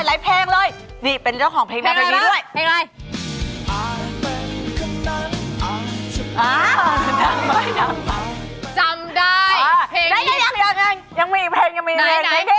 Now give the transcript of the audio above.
แต่เป็นผู้ชายในฝันของเรา